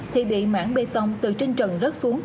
thì bị mãn bê tông từ trên trần rớt xuống